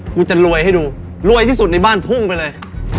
กูจะรวยให้ดูรวยที่สุดในบ้านทุ่งไปเลย